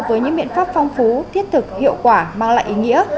với những biện pháp phong phú thiết thực hiệu quả mang lại ý nghĩa